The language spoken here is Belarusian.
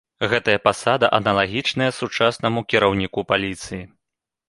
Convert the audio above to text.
Гэтая пасада аналагічная сучаснаму кіраўніку паліцыі.